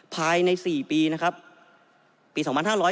ภายใน๔ปีนะครับปี๒๕๕๙